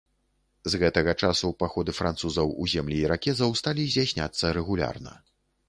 З гэтага часу паходы французаў у землі іракезаў сталі здзяйсняцца рэгулярна.